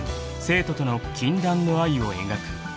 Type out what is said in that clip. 生徒との禁断の愛を描く］